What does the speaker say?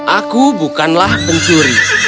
aku bukanlah pencuri